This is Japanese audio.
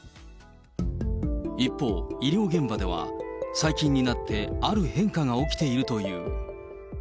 一方、医療現場では、最近になってある変化が起きているという。